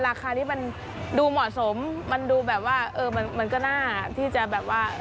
ราคานี้มันดูเหมาะสมมันดูแบบว่าเออมันก็น่าที่จะแบบว่า